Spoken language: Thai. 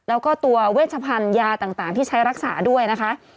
แล้วก็ตัวเวชพันธุ์ยาต่างที่ใช้รักษาด้วยนะคะ